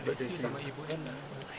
badesi sama ibu ena